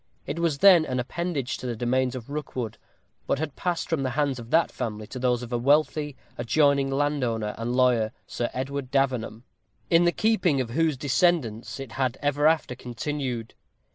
It was then an appendage to the domains of Rookwood, but had passed from the hands of that family to those of a wealthy adjoining landowner and lawyer, Sir Edward Davenham, in the keeping of whose descendants it had ever after continued.